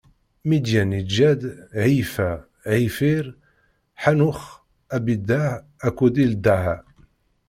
Midyan iǧǧa-d: Ɛiyfa, Ɛifiṛ, Ḥanux, Abidaɛ akked Ildaɛa.